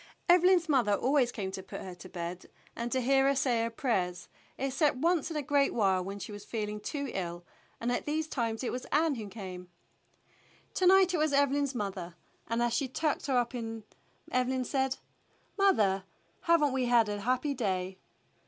Evelyn's mother always came to put her to bed £0 THE BLUE AUNT and to hear her say her prayers, except once in a great while when she was feeHng too ill, and at these times it was Ann who came. To night it was Evelyn's mother, and as she tucked her up Evelyn said, "Mother, have n't we had a happy day?"